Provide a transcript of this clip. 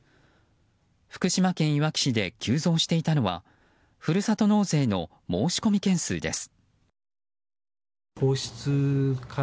福島県いわき市で急増していたのはふるさと納税の申込件数です。